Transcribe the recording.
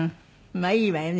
まあいいわよね。